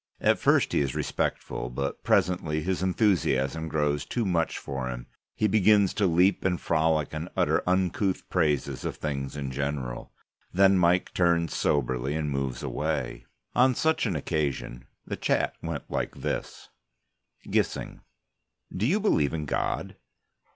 At first he is respectful; but presently his enthusiasm grows too much for him; he begins to leap and frolic and utter uncouth praises of things in general. Then Mike turns soberly and moves away. On such an occasion, the chat went like this: GISSING: Do you believe in God?